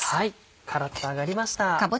カラっと揚がりました。